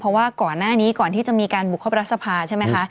เพราะว่าก่อนหน้านี้ก่อนที่จะมีการบุกเข้าไปรัฐสภาใช่ไหมคะ